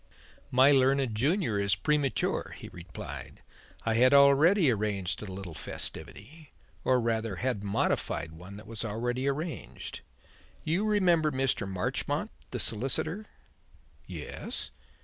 "My learned junior is premature," he replied. "I had already arranged a little festivity or rather had modified one that was already arranged. You remember Mr. Marchmont, the solicitor?" "Yes."